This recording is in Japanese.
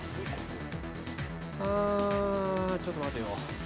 ああちょっと待てよ。